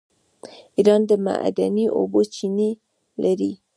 ایران د معدني اوبو چینې لري.